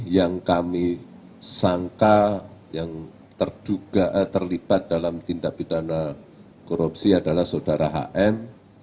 yang kami sangka yang terduga terlibat dalam tindak pidana korupsi adalah saudara hn